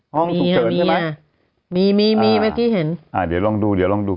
ห้องฉุกเฉินใช่ไหมมีมีเมื่อกี้เห็นอ่าเดี๋ยวลองดูเดี๋ยวลองดู